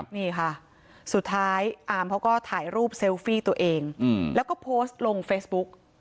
นี่ค่ะสุดท้ายอาร์มเขาก็ถ่ายรูปเซลฟี่ตัวเองแล้วก็โพสต์ลงเฟซบุ๊ก